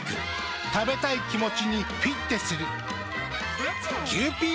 食べたい気持ちにフィッテする。